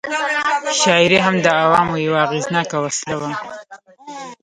شاعري هم د عوامو یوه اغېزناکه وسله وه.